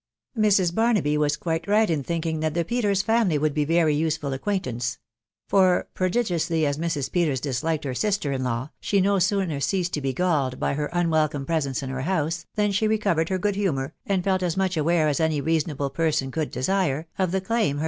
Mjis. Babnabt was quite tight in thinking that the Peters family would be very useful acquaintance ; for prodigiously at Mrs. Peters disliked her sister in law, .she no sooner ceased to be galled by her unwelcome presence in her house, than she recovered her good humour, and felt as much aware as any reasonable person could desire, of the claim her.